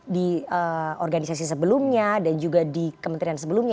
di organisasi sebelumnya dan juga di kementerian sebelumnya